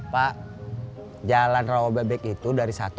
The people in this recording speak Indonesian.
pak jalan rawa bebek itu dari satu sampai seratus